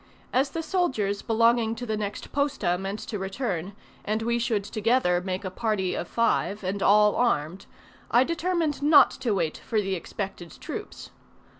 As the soldiers belonging to the next posta meant to return, and we should together make a party of five, and all armed, I determined not to wait for the expected troops.